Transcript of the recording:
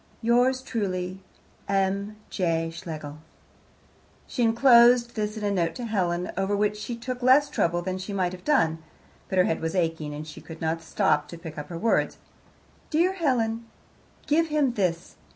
Yours truly, M. J. Schlegel She enclosed this in a note to Helen, over which she took less trouble than she might have done; but her head was aching, and she could not stop to pick her words: Dear Helen, Give him this.